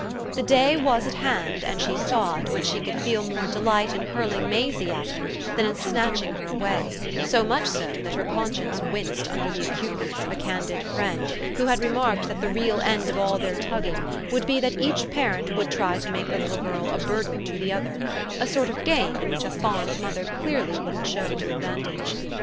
The day was at hand, and she saw it, when she should feel more delight in hurling Maisie at him than in snatching her away; so much so that her conscience winced under the acuteness of a candid friend who had remarked that the real end of all their tugging would be that each parent would try to make the little girl a burden to the other a sort of game in which a fond mother clearly wouldn't show to advantage.